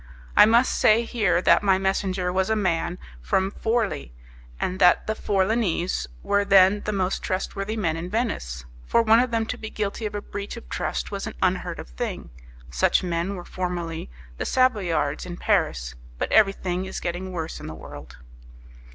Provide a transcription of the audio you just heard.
I must say here that my messenger was a man from Forli, and that the Forlanese were then the most trustworthy men in Venice; for one of them to be guilty of a breach of trust was an unheard of thing. Such men were formerly the Savoyards, in Paris; but everything is getting worse in this world.